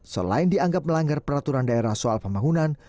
selain dianggap melanggar peraturan daerah soal pembangunan